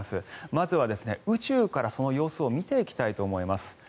まずは宇宙から、その様子を見ていきたいと思います。